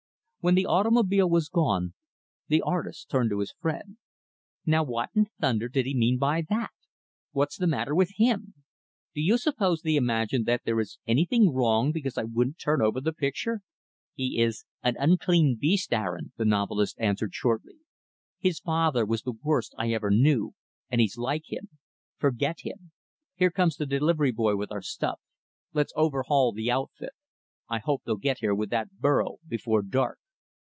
When the automobile was gone, the artist turned to his friend. "Now what in thunder did he mean by that? What's the matter with him? Do you suppose they imagine that there is anything wrong because I wouldn't turn over the picture?" "He is an unclean beast, Aaron," the novelist answered shortly. "His father was the worst I ever knew, and he's like him. Forget him. Here comes the delivery boy with our stuff. Let's overhaul the outfit. I hope they'll get here with that burro, before dark.